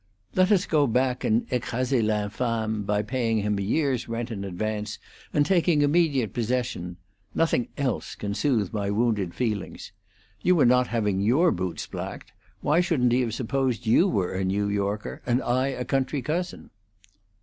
"Let us go back and 'ecraser l'infame' by paying him a year's rent in advance and taking immediate possession. Nothing else can soothe my wounded feelings. You were not having your boots blacked: why shouldn't he have supposed you were a New Yorker, and I a country cousin?"